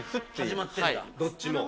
始まってるんだどっちも。